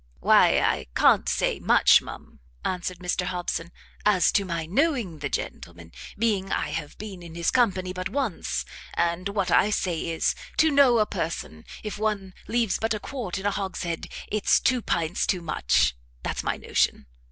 "Why I can't say much, ma'am," answered Mr Hobson, "as to my knowing the gentleman, being I have been in his company but once; and what I say is, to know a person if one leaves but a quart in a hogshead, it's two pints too much. That's my notion.